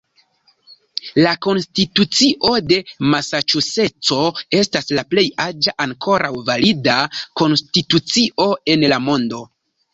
La Konstitucio de Masaĉuseco estas la plej aĝa ankoraŭ valida konstitucio en la mondo.